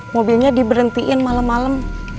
mobilnya diberhentiin malam malam